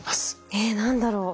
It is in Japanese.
え何だろう？